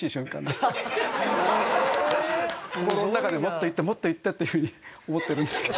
心の中でもっと言ってもっと言ってっていうふうに思ってるんですけど。